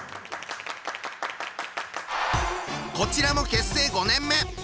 こちらも結成５年目！